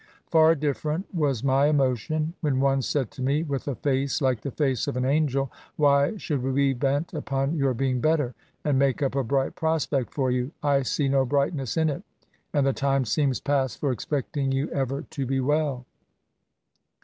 Far different was my emotion, when one said to me, with a face like the &ce of an angel, *' Why should we be bent upon your being better, and make up a bright prospect for you ? I see no brightness in it ; and the time seems past for expecting you ever to be well."